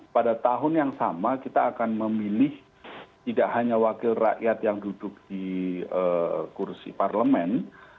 pada tahun yang sama kita akan memilih tidak hanya wakil rakyat yang duduk di kursi parlemen